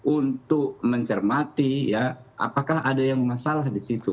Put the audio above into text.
untuk mencermati apakah ada yang masalah di situ